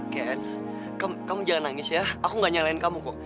kan kamu jangan nangis ya aku gak nyalain kamu kok